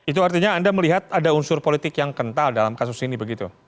itu artinya anda melihat ada unsur politik yang kental dalam kasus ini begitu